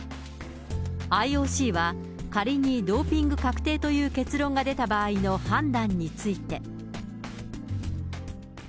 ＩＯＣは、仮にドーピング確定という結論が出た場合の判断について。